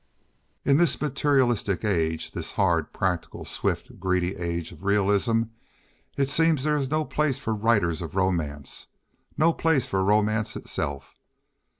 In this materialistic age, this hard, practical, swift, greedy age of realism, it seems there is no place for writers of romance, no place for romance itself.